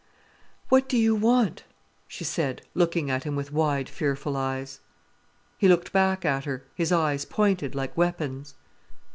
"What do you want?" she said, looking at him with wide, fearful eyes. He looked back at her, his eyes pointed, like weapons.